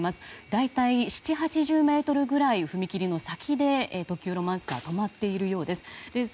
大体７０８０ｍぐらい踏切の先で特急ロマンスカーが止まっているようです。